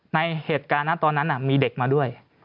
ในเหตุการณ์ตอนนั้นมีเด็กมาด้วย